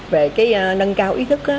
về cái nâng cao ý thức